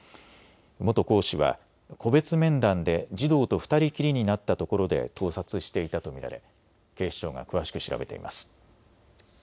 元講師は個別面談で児童と２人きりになったところで盗撮していたと見られ警視庁が詳しく調べています。